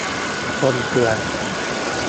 คนเตือน